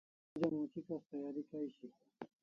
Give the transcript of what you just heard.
Onja much'ikas tayari kay shiaw